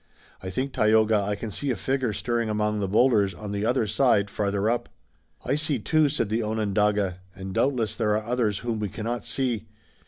I think, Tayoga, I can see a figure stirring among the boulders on the other side farther up." "I see two," said the Onondaga, "and doubtless there are others whom we cannot see.